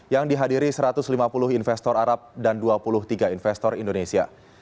yang dihadiri satu ratus lima puluh investor arab dan dua puluh tiga investor indonesia